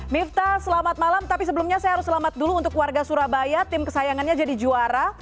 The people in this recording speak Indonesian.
mifta selamat malam tapi sebelumnya saya harus selamat dulu untuk warga surabaya tim kesayangannya jadi juara